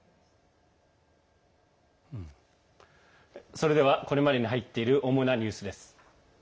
それではこれまでに入っている主なニュースです。